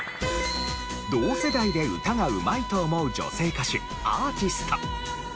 同世代で歌がうまいと思う女性歌手アーティスト。